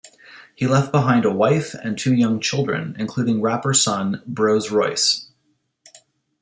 He left behind a wife and two young children including rapper son Brose Royce.